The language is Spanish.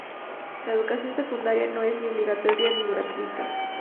La educación secundaria no es ni obligatoria ni gratuita.